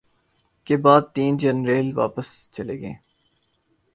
کے بعد تین جرنیل واپس چلے گئے